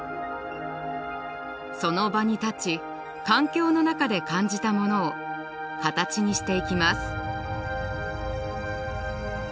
その場に立ち環境の中で感じたものを形にしていきます。